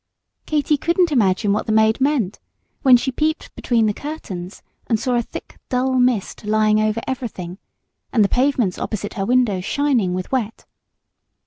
Katy couldn't imagine what the maid meant, when she peeped between the curtains and saw a thick dull mist lying over everything, and the pavements opposite her window shining with wet.